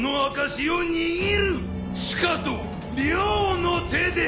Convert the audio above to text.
しかと両の手で！